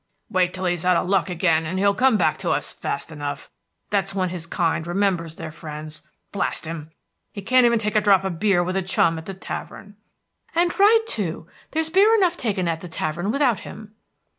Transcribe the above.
"Wait till he's out of luck again, and he'll come back to us fast enough. That's when his kind remembers their friends. Blast him! he can't even take a drop of beer with a chum at the tavern." "And right, too. There's beer enough taken at the tavern without him."